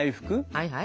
はいはい。